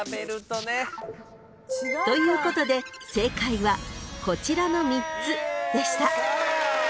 ［ということで正解はこちらの３つでした］